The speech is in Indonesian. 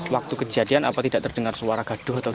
waktu kejadian apa tidak terdengar suara gaduh atau tidak